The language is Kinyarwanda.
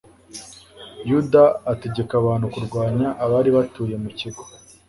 yuda ategeka abantu kurwanya abari batuye mu kigo